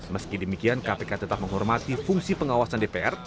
meski demikian kpk tetap menghormati fungsi pengawasan dpr